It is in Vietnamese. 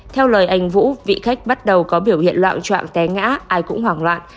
theo lời anh vũ vị khách bắt đầu có biểu hiện loạn trọng té ngã ai cũng hoảng loạn